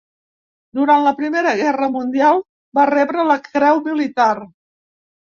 Durant la Primera Guerra Mundial va rebre la Creu Militar.